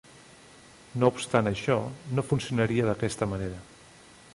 No obstant això, no funcionaria d'aquesta manera.